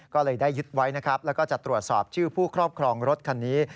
ก็เลยได้ยึดไว้นะครับแล้วก็จะตรวจสอบชื่อผู้ครอบครองรถคันนี้